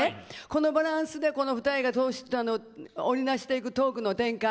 このバランスでこの２人が織り成していくトークの展開